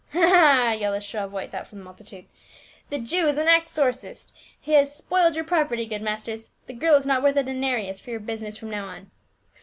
" Ha, ha !" yelled a shrill voice from out the multi tude. " The Jew is an exorcist ; he has spoiled your property, good masters. The girl is not worth a denarius for your business from now on."